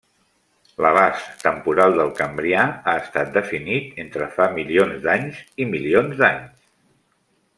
L'abast temporal del Cambrià ha estat definit entre fa milions d'anys i milions d'anys.